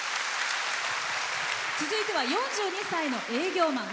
続いては４２歳の営業マン。